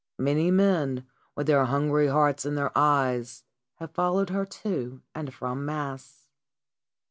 Many men, with their hungry hearts in their eyes, have followed her to and from mass.